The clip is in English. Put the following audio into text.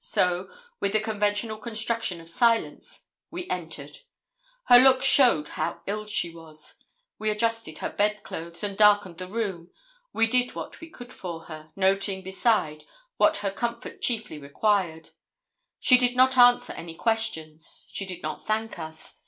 So, with the conventional construction of silence, we entered. Her looks showed how ill she was. We adjusted her bed clothes, and darkened the room, and did what we could for her noting, beside, what her comfort chiefly required. She did not answer any questions. She did not thank us.